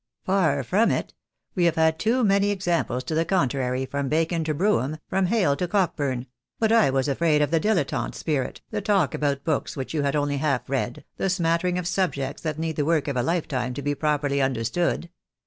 "Far from it. We have had too many examples to the contrary, from Bacon to Brougham, from Hale to Cockburn; but I was afraid of the dilettante spirit, the talk about books which you had only half read, the smattering of subjects that need the work of a lifetime to be properly understood.